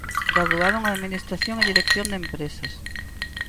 Graduado en Administración e Dirección de Empresas.